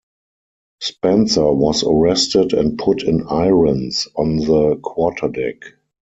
Spencer was arrested and put in irons on the quarterdeck.